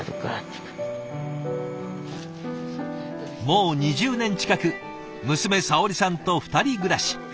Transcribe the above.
もう２０年近く娘さおりさんと２人暮らし。